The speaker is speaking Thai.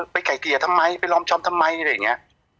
ไก่เกลี่ยทำไมไปลอมชอมทำไมอะไรอย่างนี้